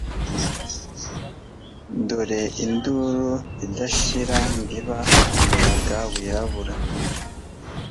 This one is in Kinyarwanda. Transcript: Dore induru idashira mbiba kumuyaga wirabura